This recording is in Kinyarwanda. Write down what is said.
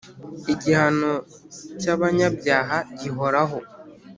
Igihano cy’abanyabyaha gihoraho